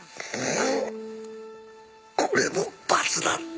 これも罰なんだ。